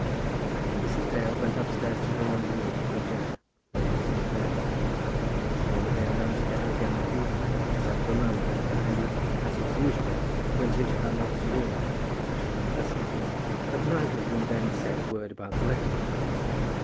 When Mrs. Dale went upstairs to her own room before dinner Lily was not there; nor were they alone together again that evening, except for a moment, when Lily, as was usual, went into her mother's room when she was undressing. But neither of them then said a word about the letter.